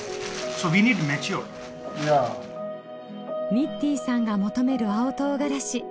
ニッティンさんが求める青とうがらし。